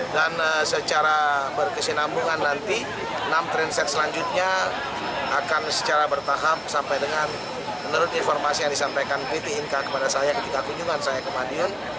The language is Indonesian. dan secara berkesinambungan nanti enam transit selanjutnya akan secara bertahap sampai dengan menurut informasi yang disampaikan pt inka kepada saya ketika kunjungan saya ke madiun